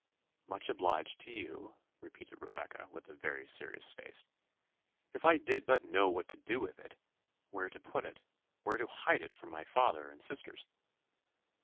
"Much obliged to you," repeated Rebecca, with a very serious face, "if I did but know what to do with it where to put it where to hide it from my father and sisters."